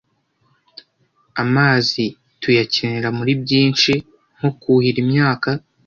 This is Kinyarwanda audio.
amazi tuyakenera muri byinshi, nko kuhira imyaka,